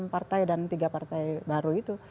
enam partai dan tiga partai baru itu